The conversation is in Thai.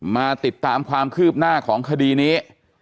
มาติดตามความคืบหน้าของคดีนี้